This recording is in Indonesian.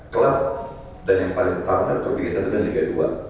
klub dan yang paling utama adalah kopi g satu dan liga dua